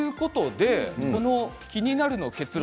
「キニナル」の結論